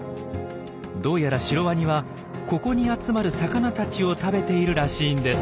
どうやらシロワニはここに集まる魚たちを食べているらしいんです。